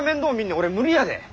俺無理やで。